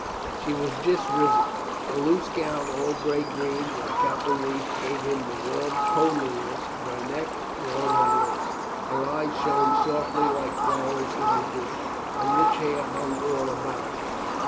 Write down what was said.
She was just risen. A loose gown, all gray green like apple leaf, gave him the warm comeliness of her neck and all her grace. Her eyes shone softly like flowers in the dew. Her rich hair hung all unbound.